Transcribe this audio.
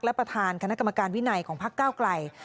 และประธานคณะกรรมการวินัยของพักเก้าไกล